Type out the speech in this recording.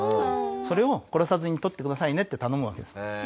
それを殺さずに捕ってくださいねって頼むわけです。